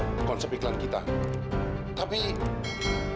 untuk membahas konsep iklan kita tapi katanya bagaimana